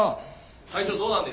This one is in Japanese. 会長どうなんですか？